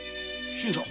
新さん。